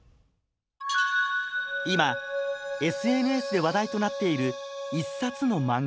今ＳＮＳで話題となっている一冊の漫画。